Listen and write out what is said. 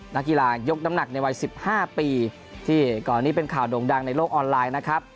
นักกีฬายกน้ำหนักในวัย๑๕ปีที่ก่อนนี้เป็นข่าวโด่งดังในโลกออนไลน์นะครับ